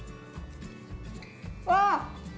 わあ！